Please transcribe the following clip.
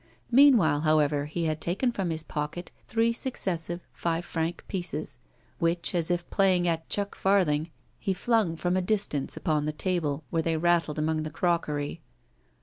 Meanwhile, however, he had taken from his pocket three successive five franc pieces, which, as if playing at chuck farthing, he flung from a distance upon the table, where they rattled among the crockery.